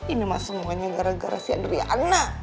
ini mah semuanya gara gara si andriana